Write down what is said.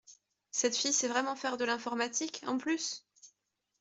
Cette fille sait vraiment faire de l’informatique, en plus?